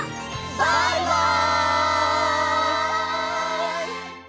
バイバイ！